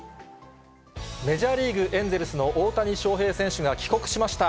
メジャーリーグ・エンゼルスの大谷翔平選手が、帰国しました。